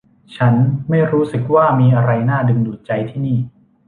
ฉันไม่รู้สึกว่ามีอะไรน่าดึงดูดใจที่นี่